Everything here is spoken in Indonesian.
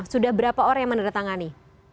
sudah berapa orang yang menandatangani